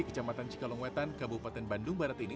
kecamatan cikalongwetan kabupaten bandung barat ini